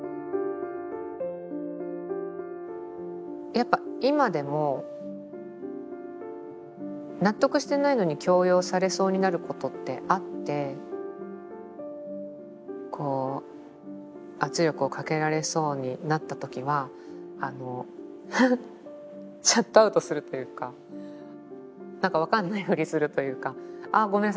やっぱ今でも納得してないのに強要されそうになることってあってこう圧力をかけられそうになった時はシャットアウトするというかなんか分かんないふりするというか「ああごめんなさい。